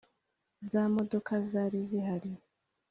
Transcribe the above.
za modoka zari zihari